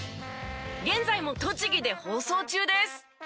現在も栃木で放送中です。